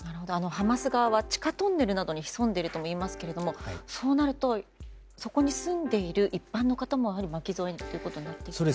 ハマス側は地下トンネルに潜んでいるとも言いますけどそうなるとそこに住んでいる一般の方もやはり巻き添えとなってしまう？